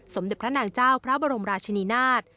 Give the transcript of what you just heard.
สมเด็จพระนางเจ้าพระบรมราชนีนาฏ